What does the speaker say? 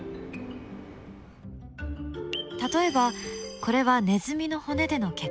例えばこれはネズミの骨での結果。